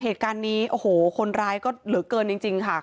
เหตุการณ์นี้โอ้โหคนร้ายก็เหลือเกินจริงค่ะ